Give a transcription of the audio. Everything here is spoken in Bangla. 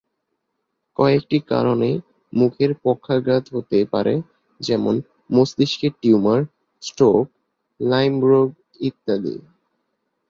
কয়েকটি কারণে মুখের পক্ষাঘাত হতে পারে, যেমনঃ- মস্তিষ্কের টিউমার, স্ট্রোক, লাইম রোগ ইত্যাদি।